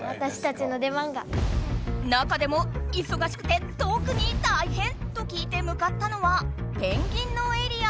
中でもいそがしくてとくに大変！と聞いてむかったのはペンギンのエリア。